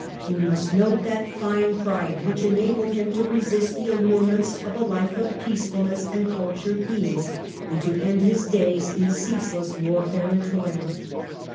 We must note that fine pride which enabled him to resist the allurements of a life of peacefulness and cultured ease, and to end his days in ceaseless warfare and toil.